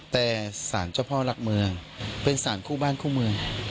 แต่สารเจ้าพ่อหลักเมืองเป็นสารคู่บ้านคู่เมือง